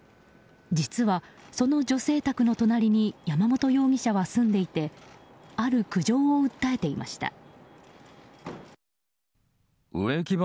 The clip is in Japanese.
実は、その女性宅の隣に山本容疑者は住んでいてある苦情を訴えていました。